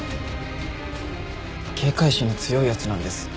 警戒心の強い奴なんです。